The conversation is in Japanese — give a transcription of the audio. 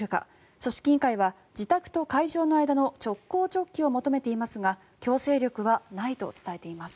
組織委員会は自宅と会場の間の直行直帰を求めていますが強制力はないと伝えています。